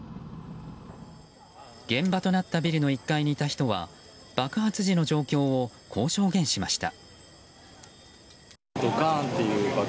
現場となったビルの１階にいた人は、爆発時の状況をこう証言しました。